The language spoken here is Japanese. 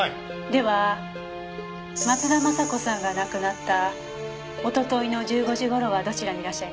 では松田雅子さんが亡くなったおとといの１５時頃はどちらにいらっしゃいましたか？